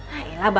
nah iya lah bapak